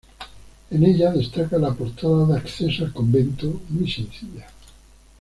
En ella destaca la portada de acceso al convento, muy sencilla.